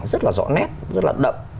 rất là rõ nét rất là đậm